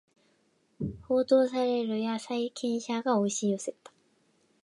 報道されるや債権者が押し寄せた